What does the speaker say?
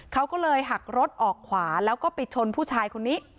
เขาก็เลยหักรถออกขวาแล้วก็ไปชนผู้ชายคนนี้